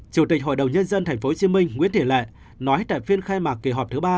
chủ tịch hội đồng nhân dân tp hcm nguyễn thị lệ nói tại phiên khai mạc kỳ họp thứ ba